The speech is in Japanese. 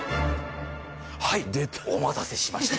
はいお待たせしました。